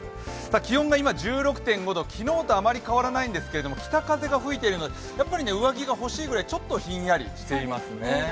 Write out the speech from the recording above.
気温が今１６．５度、昨日とあまり変わらないんですけれども、北風が吹いているので、やっぱり上着が欲しいくらいひんやりしていますね。